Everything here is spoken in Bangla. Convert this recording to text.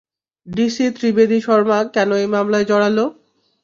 ডিসি ত্রিবেদী শর্মা কেন এই মামলায় জড়ালো?